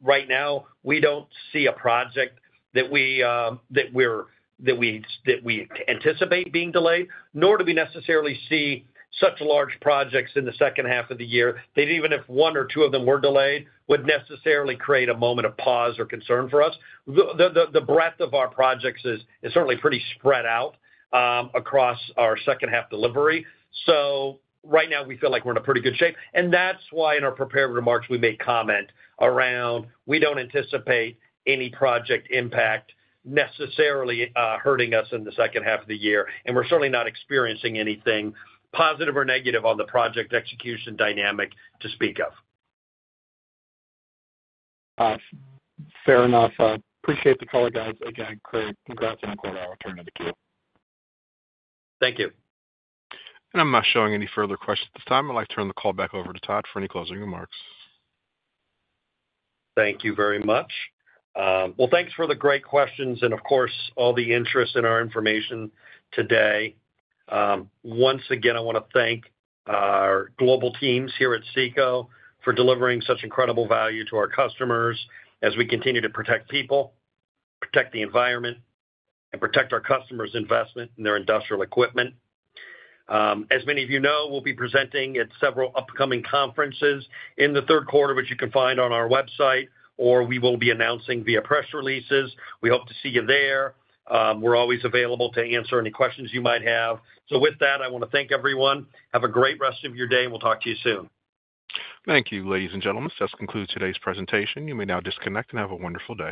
Right now, we don't see a project that we anticipate being delayed, nor do we necessarily see such large projects in the second half of the year that even if one or two of them were delayed would necessarily create a moment of pause or concern for us. The breadth of our projects is certainly pretty spread out across our second half delivery. Right now we feel like we're in pretty good shape. That's why in our prepared remarks, we made comment around not anticipating any project impact necessarily hurting us in the second half of the year. We're certainly not experiencing anything positive or negative on the project execution dynamic to speak of. Fair enough. Appreciate the caller, guys. Again, great congrats on our return to Q. Thank you. I'm not showing any further questions at this time. I'd like to turn the call back over to Todd for any closing remarks. Thank you very much. Thanks for the great questions and of course, all the interest in our information today. Once again, I want to thank our global teams here at CECO for delivering such incredible value to our customers as we continue to protect people, protect the environment, and protect our customers' investment in their industrial equipment. As many of you know, we'll be presenting at several upcoming conferences in the third quarter, which you can find on our website or we will be announcing via press releases. We hope to see you there. We're always available to answer any questions you might have. With that, I want to thank everyone. Have a great rest of your day and we'll talk to you soon. Thank you. Ladies and gentlemen, that concludes today's presentation. You may now disconnect and have a wonderful day.